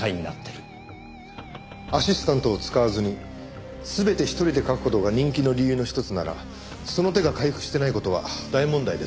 アシスタントを使わずに全て１人で描く事が人気の理由の一つならその手が回復してない事は大問題ですね。